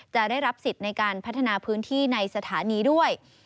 จะได้รับสิทธิ์ในการพัฒนาพื้นที่ในสถานีด้วย